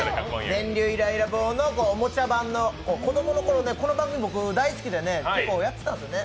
電流イライラ棒のおもちゃ版の子供のころ、この番組、僕大好きで、結構やってたんですよね。